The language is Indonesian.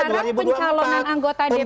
sekarang pencalonan anggota dpd